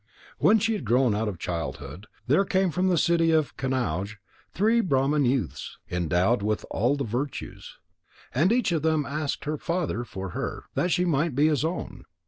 When she had grown out of childhood, there came from the city of Kanauj three Brahman youths, endowed with all the virtues. And each of them asked her father for her, that she might be his own.